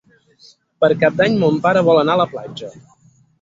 Per Cap d'Any mon pare vol anar a la platja.